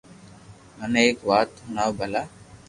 مني ايڪ وات ھڻاو ڀلا